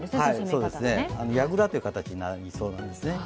やぐらという形になりそうなんですね。